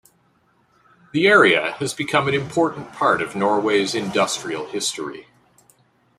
The area has become an important part of Norway's industrial history.